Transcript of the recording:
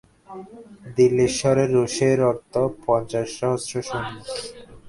দিল্লীশ্বরের রোষের অর্থ পঞ্চাশ সহস্র সৈন্য।